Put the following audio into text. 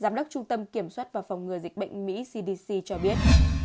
giám đốc trung tâm kiểm soát và phòng ngừa dịch bệnh mỹ cdc cho biết